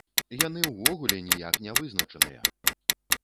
Яны ўвогуле ніяк не вызначаныя!